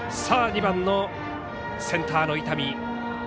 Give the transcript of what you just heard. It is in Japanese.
２番のセンターの伊丹。